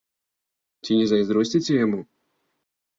Ці не зайздросціце яму?